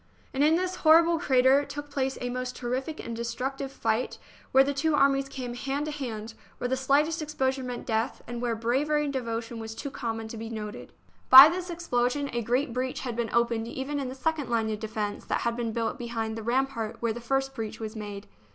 And in this horrible crater took place a most terrific and destructive fight, where the two armies came hand to hand, where the slightest exposure meant death, and where bravery and devotion were too common to be noted. By this THE BOOK OF FAMOUS SIEGES explosion a great breach had been opened even in the second line of defence that had been built be hind the rampart where the first breach was made.